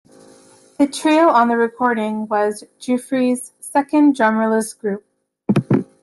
The trio on the recording was Giuffre's second drummerless group.